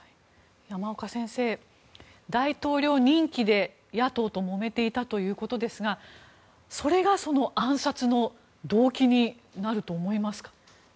山岡先生、大統領任期で野党ともめていたということですがそれが暗殺の動機になると思いますか？